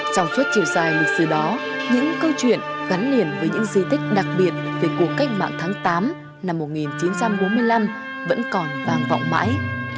trong suốt chiều dài lịch sử đó những câu chuyện gắn liền với những di tích đặc biệt về cuộc cách mạng tháng tám năm một nghìn chín trăm bốn mươi năm vẫn còn vang vọng mãi